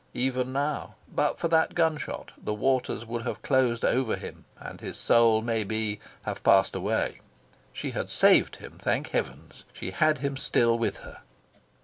Even now, but for that gun shot, the waters would have closed over him, and his soul, maybe, have passed away. She had saved him, thank heaven! She had him still with her.